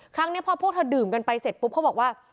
ครั้งนี้พอพวกเธอดื่มกันไปเสร็จปุ๊บเขาบอกว่า